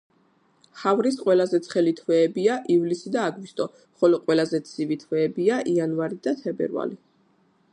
ჰავრის ყველაზე ცხელი თვეებია ივლისი და აგვისტო, ხოლო ყველაზე ცივი თვეებია იანვარი და თებერვალი.